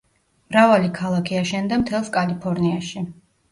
მრავალი ქალაქი აშენდა მთელს კალიფორნიაში.